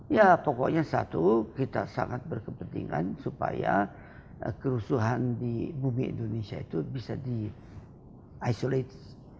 ya pokoknya satu kita sangat berkepentingan supaya kerusuhan di bumi indonesia itu bisa di isolate